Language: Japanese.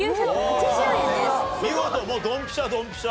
もうドンピシャドンピシャ。